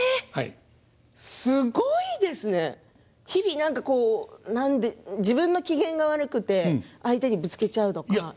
すごいですね日々自分の機嫌が悪くて相手にぶつけちゃうとか。